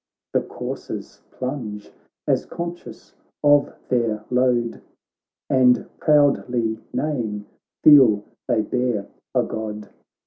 The coursers plunge as conscious of their load And, proudly neighing, feel they bear a God.